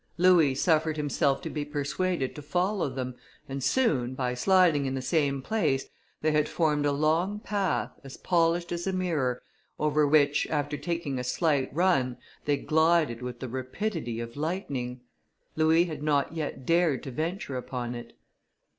Louis suffered himself to be persuaded to follow them, and soon, by sliding in the same place, they had formed a long path, as polished as a mirror, over which, after taking a slight run, they glided with the rapidity of lightning. Louis had not yet dared to venture upon it.